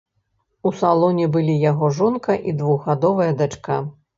У салоне былі яго жонка і двухгадовая дачка.